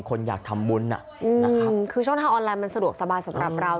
คนอยากทำบุญนะครับคือช่องทางออนไลน์มันสะดวกสบายสำหรับเรา